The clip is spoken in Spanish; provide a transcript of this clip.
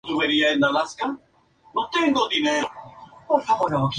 Sin embargo se produjo una obra pop feminista.